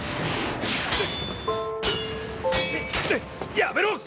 やめろ！